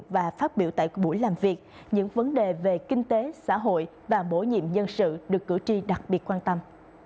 và phát biểu tại buổi làm việc những vấn đề về kinh tế xã hội và bổ nhiệm dân sự được cử tri đặc biệt quan tâm